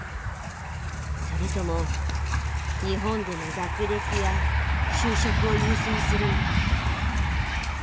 それとも日本での学歴や就職を優先するのか。